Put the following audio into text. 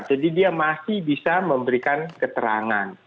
jadi dia masih bisa memberikan keterangan